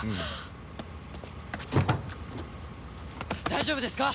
大丈夫ですか？